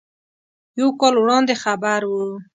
یو کال وړاندې خبر و.